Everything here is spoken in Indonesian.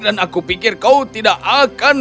dan saya pikir kau tidak akan